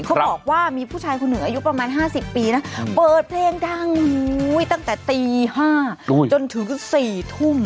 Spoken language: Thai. เขาบอกว่ามีผู้ชายคนหนึ่งอายุประมาณ๕๐ปีนะเปิดเพลงดังตั้งแต่ตี๕จนถึง๔ทุ่ม